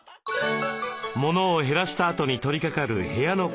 モノを減らしたあとに取りかかる部屋の片づけ。